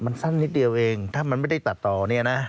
มันสั้นนิดเดียวเองถ้ามันไม่ได้ตัดต่อเนี่ยนะ